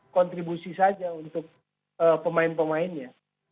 kontribusi saja untuk pemain pemainnya